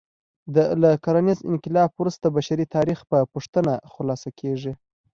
له کرنیز انقلاب وروسته بشري تاریخ په پوښتنه خلاصه کېږي.